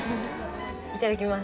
いただきます。